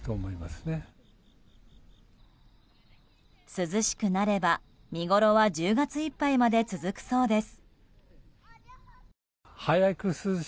涼しくなれば見ごろは１０月いっぱいまで続くそうです。